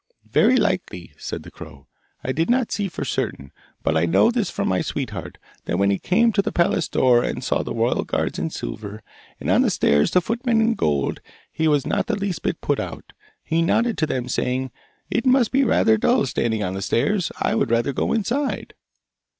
'Very likely,' said the crow, 'I did not see for certain. But I know this from my sweetheart, that when he came to the palace door and saw the royal guards in silver, and on the stairs the footmen in gold, he was not the least bit put out. He nodded to them, saying, "It must be rather dull standing on the stairs; I would rather go inside!"